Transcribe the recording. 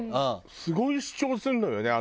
すごい主張するのよね